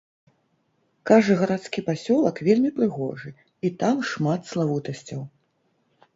Кажа, гарадскі пасёлак вельмі прыгожы, і там шмат славутасцяў.